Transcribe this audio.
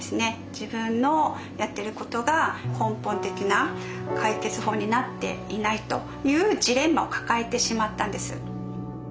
自分のやってることが根本的な解決法になっていないというジレンマを抱えてしまったんです。